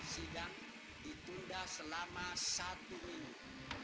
sidang ditunda selama satu minggu